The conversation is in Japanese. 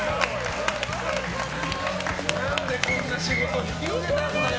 何でこんな仕事引き受けたんだよ！